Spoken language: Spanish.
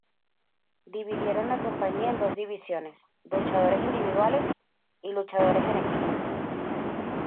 Dividieron la compañía en dos divisiones: luchadores individuales y luchadores en equipo.